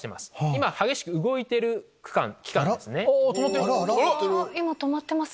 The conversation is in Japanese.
今激しく動いてる期間ですね。